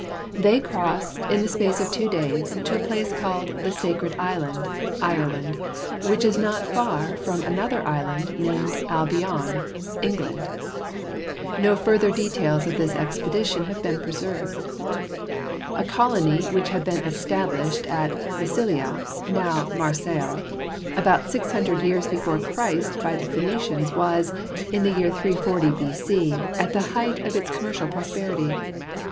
They crossed, in the space of two days, to a place called the Sacred Island (Ireland), which was not far from an other island, named Al Bion (England). No further de tails of this expedition have been preserved. A colony which had been established at Massilia — now Marseilles — about six hundred years before Christ by the Phocians was, in the year 340 B.C., at the height of its commercial prosperity.